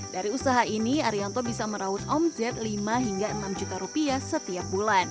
dari usaha ini arianto bisa meraut omzet lima hingga enam juta rupiah setiap bulan